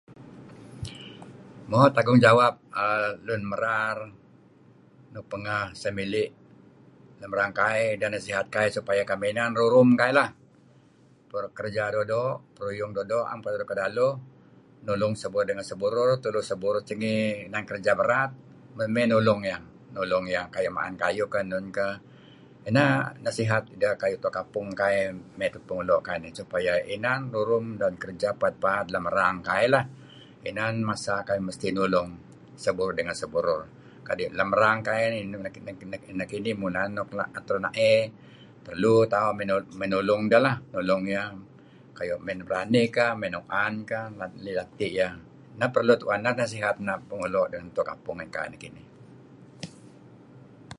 Mo, tanggungjawap lun merar luk pengeh seh mili' lem erang kai ideh nasihat kai supaya kaih inan rurum kaih lah. Kerja doo'-doo', perurum doo'-doo', 'am kedaluh-kedaluh, nulung seh burur dengen seh burur tulu sengih inan kerja berat mey nulung iyeh nulung iyeh kayu mey ma'en kayuh enun kah. Inah nasihat ideh kayu' Tua Kampung kai Pengulo' kai supaya inan rurum kerja paad lem erang kai lah. Inan masa kai mesti nulung seh burur ngen seh burur. Adi lem reang kai [stammers] neh kinih inan luk da'et rena'ey, perlu tauh mey tulung deh lah, nulung iyeh lah. Kayu' mey ranih kah, mey nu'an kah [unintelligible] mey lati' iyeh. Neh nasihat Pengulo', Tua Kampung ngen kai nekinih.